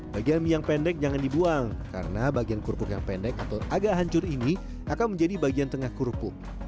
bagian mie yang pendek jangan dibuang karena bagian kurupuk yang pendek atau agak hancur ini akan menjadi bagian tengah kurupuk